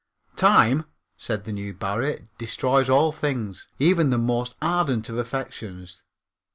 Time, said the new Barrie, destroys all things, even the most ardent of affections.